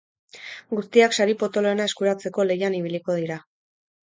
Guztiak sari potoloena eskuratzeko lehian ibiliko dira.